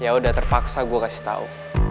ya udah terpaksa gue kasih tau